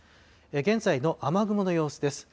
現在の雨雲の様子です。